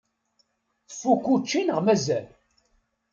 Tfukk učči neɣ mazal?